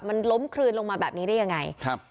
มันล้มคลืนลงมาแบบนี้ได้ยังไงครับ